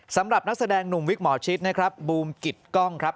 สำหรับนักแสดงหนุ่มวิกหมอชิดนะครับบูมกิตกล้องครับ